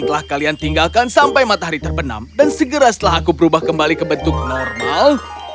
setelah kalian tinggalkan sampai matahari terbenam dan segera setelah aku berubah kembali ke bentuk normal